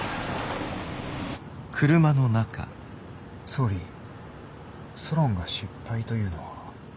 総理ソロンが失敗というのは。